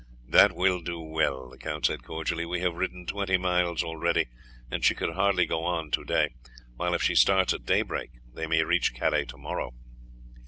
"That will do well," the count said cordially. "We have ridden twenty miles already, and she could hardly go on to day, while if she starts at daybreak they may reach Calais to morrow."